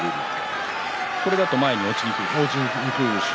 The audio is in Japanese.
それだと前に落ちにくいですか？